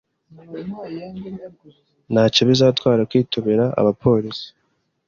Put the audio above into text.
Ntacyo bizatwara kwitobera abapolisi.